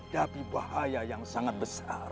tidak ada bahaya yang sangat besar